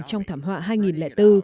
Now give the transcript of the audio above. trong thảm họa hai nghìn bốn